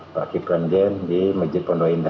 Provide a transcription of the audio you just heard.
pak kipran jain di majid pondowinda